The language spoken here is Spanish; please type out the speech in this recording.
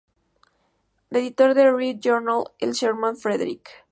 El editor de "Review-Journal" es Sherman Frederick.